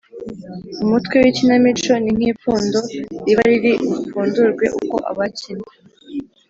umutwe w’ikinamico: ni nk’ipfundo riba riri bupfundurwe uko abakinnyi,